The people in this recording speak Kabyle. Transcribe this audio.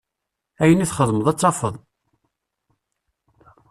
Ayen i txedmeḍ ad t-tafeḍ.